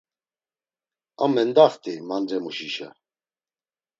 A mendaxt̆i mandremuşişa.